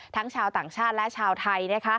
ชาวต่างชาติและชาวไทย